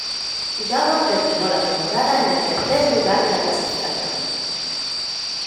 Gábor terminó la temporada en el tercer lugar de la clasificación.